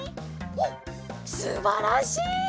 おっすばらしい。